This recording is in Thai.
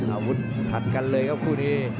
อาวุธขัดกันเลยครับคู่นี้